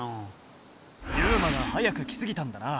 ユウマが早く来すぎたんだな。